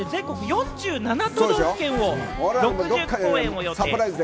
全国４７都道府県をね、６０公演を予定してます。